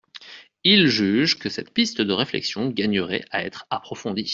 Ils jugent que cette piste de réflexion gagnerait à être approfondie.